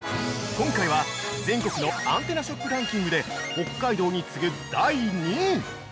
◆今回は、全国のアンテナショップランキングで北海道に次ぐ第２位！